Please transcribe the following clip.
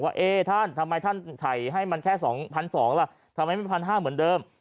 ว่าเอ๊ท่านทำไมท่านถ่ายให้มันแค่๒๒๐๐บาททำไมไม่เป็น๑๕๐๐บาทเหมือนเดิม